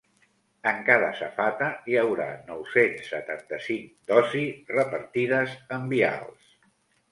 En cada safata hi haurà nou-cents setanta-cinc dosis repartides en vials.